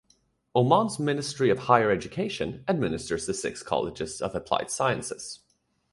Oman's Ministry of Higher Education administers the six Colleges of Applied Sciences.